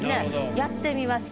やってみます。